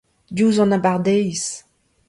Diouzh an abardaez.